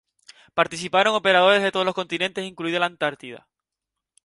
Participaron operadores de todos los continentes, incluida la Antártida.